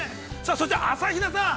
そして朝比奈さん。